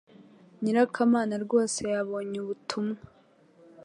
nyirakamana rwose yabonye ubutumwa